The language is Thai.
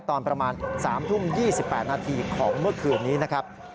ตอนประมาณ๓ทุ่ม๒๘นาทีของเมื่อคืนนี้นะครับ